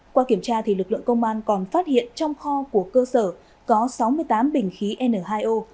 qua kiểm tra lực lượng công an còn phát hiện trong kho của cơ sở có sáu mươi tám bình khí n hai o